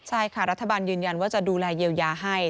ใช่ค่ะรัฐบาลยืนยันว่าจะดูแลเยียวยาให้